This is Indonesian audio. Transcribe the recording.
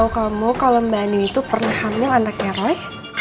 kamu kalau mbak ani itu pernah hamil anaknya roy